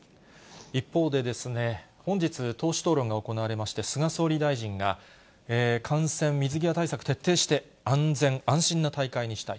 一方で、本日、党首討論が行われまして、菅総理大臣が、感染・水際対策、徹底して、安全安心な大会にしたい。